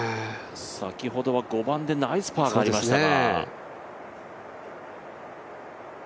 先ほどは５番でナイスパーがありましたが。